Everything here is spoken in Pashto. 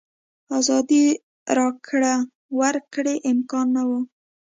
ازادې راکړې ورکړې امکان نه و.